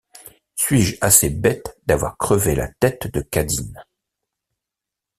Suis-je assez bête d’avoir crevé la tête de Cadine!